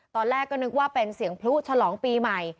ตอนแรกก็นึกว่าเป็นเสียงพลุฉลองปีใหม่